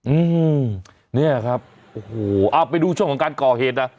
อืมเนี่ยครับโอ้โหเอาไปดูช่วงของการก่อเหตุนะ